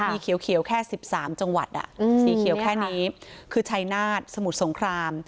มีเขียวแค่๑๓จังหวัดสีเขียวแค่นี้คือชัยนาฏสมุทรสงคราม